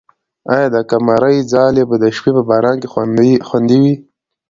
آیا د قمرۍ ځالۍ به د شپې په باران کې خوندي وي؟